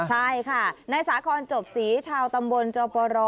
ใช่ค่ะนายสาคอนจบศรีชาวตำบลจอปร